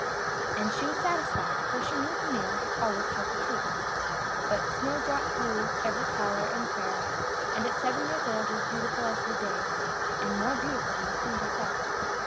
And she was satisfied, for she knew the mirror always told the truth. But Snowdrop grew ever taller and fairer, and at seven years old was beautiful as the day, and more beautiful than the queen herself.